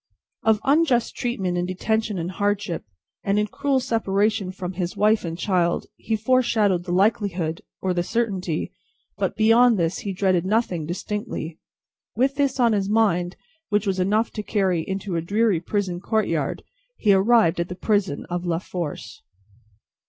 Of unjust treatment in detention and hardship, and in cruel separation from his wife and child, he foreshadowed the likelihood, or the certainty; but, beyond this, he dreaded nothing distinctly. With this on his mind, which was enough to carry into a dreary prison courtyard, he arrived at the prison of La Force.